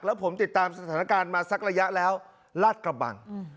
แล้วผมติดตามสถานการณ์มาสักระยะแล้วลาดกระบัง